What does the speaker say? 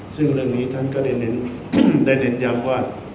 ซึ่งเรื่องนี้ท่านก็ได้เน้นย้ำว่า